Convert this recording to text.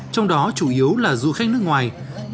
trong đó chủ yếu là du khách nước ngoài